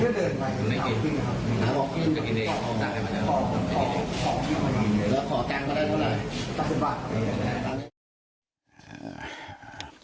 แล้วขอแกงก็ได้เท่าไหร่